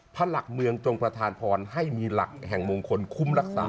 หลักเมืองจงประธานพรให้มีหลักแห่งมงคลคุ้มรักษา